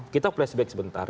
kita flashback sebentar